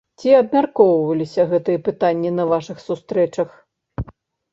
Ці абмяркоўваліся гэтыя пытанні на вашых сустрэчах?